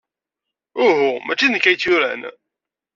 Uhu, maci d nekk ay tt-yuran.